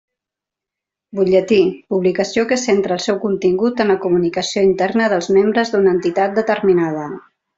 Butlletí: publicació que centra el seu contingut en la comunicació interna dels membres d'una entitat determinada.